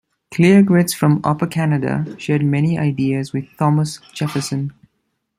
Clear Grits from Upper Canada shared many ideas with Thomas Jefferson.